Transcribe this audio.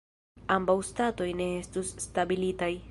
Ambaŭ statoj ne estus stabilaj.